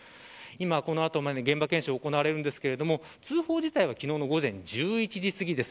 この後、現場検証が行われますが通報自体は昨日の午前１１時すぎです。